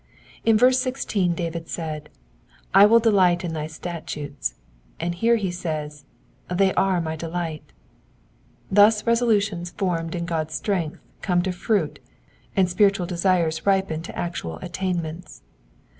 In verse 16 David said, I will delight in thy statutes," and here he says they are my delight" : thus resolutions formed in God's strength come to fruit, and spiritual desires ripen into actual attainments.